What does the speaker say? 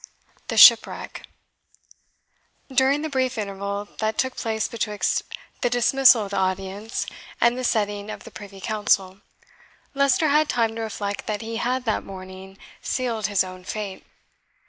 THE SHIPWRECK. During the brief interval that took place betwixt the dismissal of the audience and the sitting of the privy council, Leicester had time to reflect that he had that morning sealed his own fate.